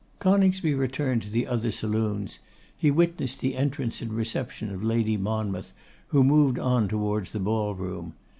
Coningsby returned to the other saloons: he witnessed the entrance and reception of Lady Monmouth, who moved on towards the ball room.